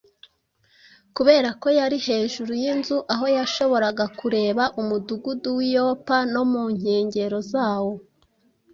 Kubera ko yari hejuru y’inzu aho yashoboraga kureba umudugudu w’i Yopa no mu nkengero zawo,